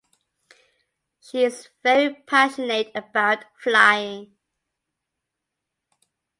She is very passionate about flying.